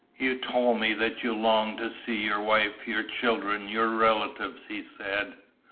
"You told me that you long to see your wife, your children, your relatives," he said.